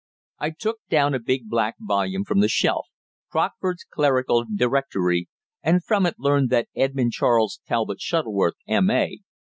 I took down a big black volume from the shelf Crockford's Clerical Directory and from it learned that Edmund Charles Talbot Shuttleworth, M.A.